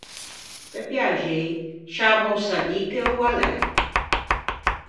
Pe piaxei, scià m’ô sa dî che oa l’é?